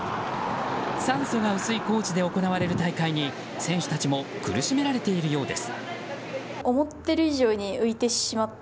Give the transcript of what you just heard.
酸素が薄い高地で行われる大会に選手たちも苦しめられているようです。